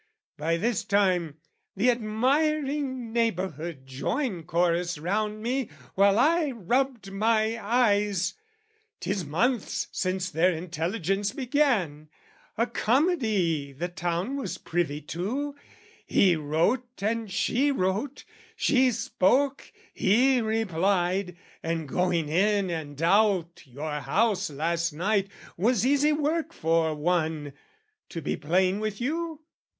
(By this time the admiring neighbourhood Joined chorus round me while I rubbed my eyes) "'Tis months since their intelligence began, "A comedy the town was privy to, "He wrote and she wrote, she spoke, he replied, "And going in and out your house last night "Was easy work for one...to be plain with you